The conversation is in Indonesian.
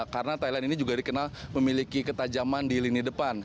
karena thailand ini juga dikenal memiliki ketajaman di lini depan